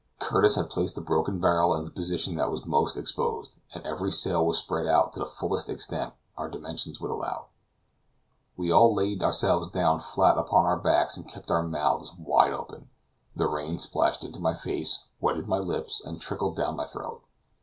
Curtis had placed the broken barrel in the position that was most exposed, and every sail was spread out to the fullest extent our dimensions would allow. We all laid ourselves down flat upon our backs and kept our mouths wide open. The rain splashed into my face, wetted my lips, and trickled down my throat.